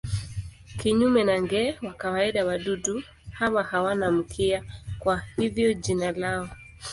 Kinyume na nge wa kawaida wadudu hawa hawana mkia, kwa hivyo jina lao.